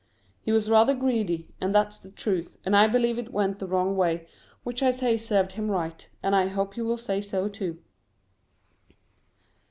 He was rather greedy, and that's the truth, and I believe it went the wrong way, which I say served him right, and I hope you will say so too.